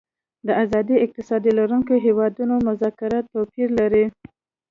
د آزاد اقتصاد لرونکو هیوادونو مذاکرات توپیر لري